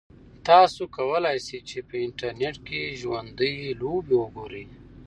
تاسو کولای شئ چې په انټرنیټ کې ژوندۍ لوبې وګورئ.